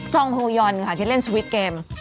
องโฮยอนค่ะที่เล่นสวิตชเกม